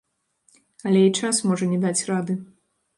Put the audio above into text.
Але і час можа не даць рады.